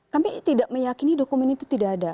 kami tidak meyakini dokumen itu tidak ada